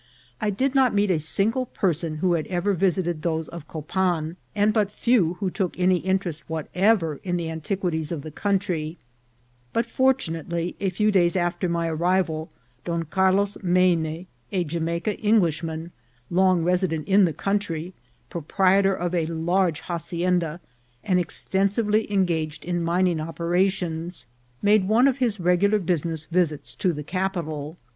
I did not meet a single person who had ever visited those of Copan, and but few who took any interest whatever in the antiqui ties of the country ; but, fortunately, a few days after my arrival, Don Carlos Meiney, a Jamaica Englishman, long resident in tlie country, proprietor of a large haci enda, and extensively engaged in mining operations, made one of his regular business visits to the capital.